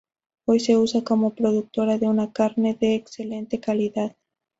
Hoy se usa como productora de una carne de excelente calidad.